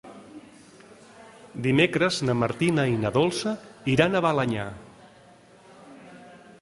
Dimecres na Martina i na Dolça iran a Balenyà.